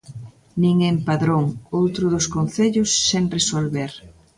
Nin en Padrón, outro dos concellos sen resolver.